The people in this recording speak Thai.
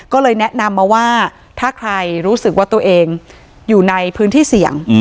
ก็เลยแนะนำมาว่าถ้าใครรู้สึกว่าตัวเองอยู่ในพื้นที่เสี่ยง